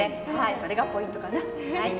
それがポイントかな。